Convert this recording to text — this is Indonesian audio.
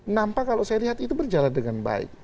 nampak kalau saya lihat itu berjalan dengan baik